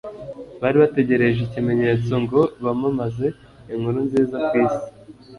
Bari bategereje ikimenyetso ngo bamamaze inkuru nziza kw'isi.